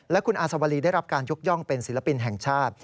และคุณอาสวรีได้รับการยกย่องเป็นศิลปินแห่งชาติ